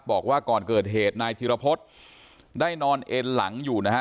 บอกว่าก่อนเกิดเหตุนายธิรพฤษได้นอนเอ็นหลังอยู่นะฮะ